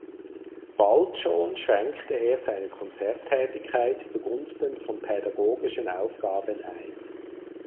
Bald schon schränkte er seine Konzerttätigkeit zu Gunsten von pädagogischen Aufgaben ein.